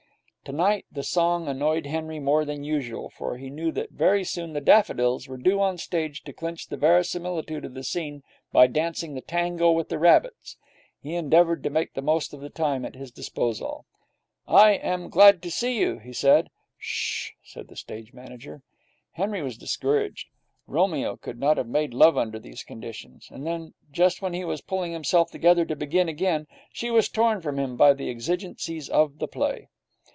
Tonight the song annoyed Henry more than usual, for he knew that very soon the daffodils were due on the stage to clinch the verisimilitude of the scene by dancing the tango with the rabbits. He endeavoured to make the most of the time at his disposal. 'I am glad to see you!' he said. 'Sh h!' said the stage manager. Henry was discouraged. Romeo could not have made love under these conditions. And then, just when he was pulling himself together to begin again, she was torn from him by the exigencies of the play.